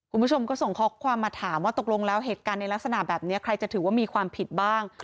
คุณผู้ชมก็ส่งข้อความมาถามว่าตกลงแล้วเหตุการณ์ในลักษณะแบบนี้ใครจะถือว่ามีความผิดบ้าง